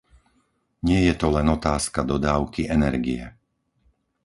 Nie je to len otázka dodávky energie.